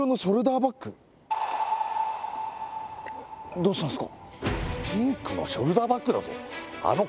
どうしたんすか？